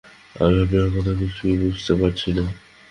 আমি আপনার কথা কিছুই বুঝতে পারছি না।